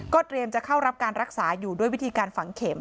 เตรียมจะเข้ารับการรักษาอยู่ด้วยวิธีการฝังเข็ม